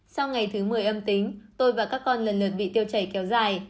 sau ngày thứ một mươi âm tính tôi và các con lần lượt bị tiêu chảy kéo dài